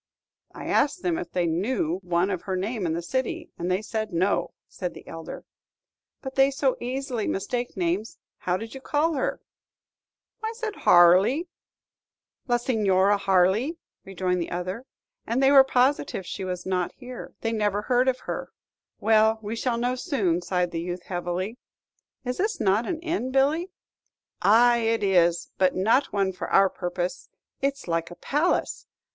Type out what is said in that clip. "I asked them if they knew one of her name in the city, and they said, 'No,'" said the elder. "But they so easily mistake names: how did you call her?" "I said 'Harley, la Signora Harley,'" rejoined the other; "and they were positive she was not here. They never heard of her." "Well, we shall know soon," sighed the youth, heavily. "Is not this an inn, Billy?" "Ay is it, but not one for our purpose, it's like a palace.